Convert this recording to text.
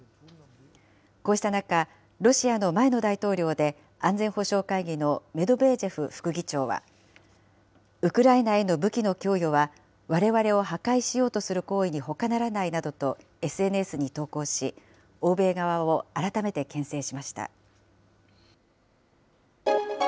こうした中、ロシアの前の大統領で、安全保障会議のメドベージェフ副議長は、ウクライナへの武器の供与は、われわれを破壊しようとする行為にほかならないなどとＳＮＳなどに投稿し、欧米側を改めてけん制しました。